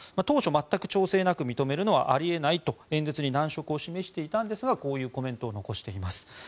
当初、全く調整なく認めるのはあり得ないと演説に難色を示していたんですがこういうコメントを残しています。